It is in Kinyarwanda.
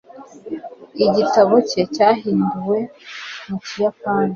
igitabo cye cyahinduwe mu kiyapani